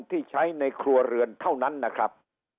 ที่ใช้ในครัวเรือนเท่านั้นนะครับ